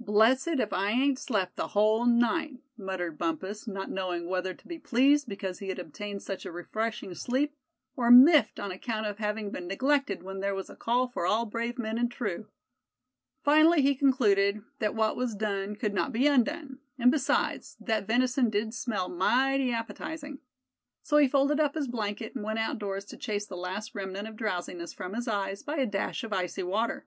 "Blessed if I ain't slept the whole night," muttered Bumpus, not knowing whether to be pleased because he had obtained such a refreshing sleep, or miffed on account of having been neglected when there was "a call for all brave men and true." Finally he concluded that what was done could not be undone; and besides, that venison did smell mighty appetizing. So he folded up his blanket, and went outdoors to chase the last remnant of drowsiness from his eyes by a dash of icy water.